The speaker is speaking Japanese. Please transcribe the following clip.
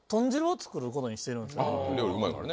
料理うまいからね。